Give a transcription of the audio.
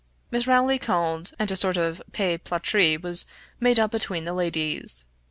Miss Rowley called and a sort of paix platree was made up between the ladies.